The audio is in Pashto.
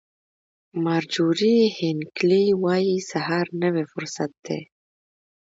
مارجوري هینکلي وایي سهار نوی فرصت دی.